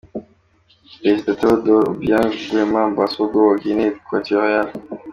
Perezida Teodoro Obiang Nguema Mbasogo wa Guinee Equatoriale.